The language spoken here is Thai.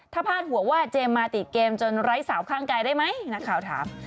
ถ้าพาดหัวว่าเจมส์มาติดเกมจนไร้สาวข้างกายได้ไหมนักข่าวถาม